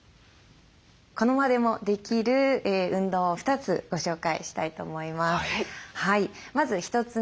この場でもできる運動を２つご紹介したいと思います。